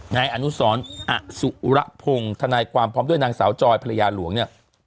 นายอนุสรอสุระพงศ์ธนายความพร้อมด้วยนางสาวจอยภรรยาหลวงเนี่ย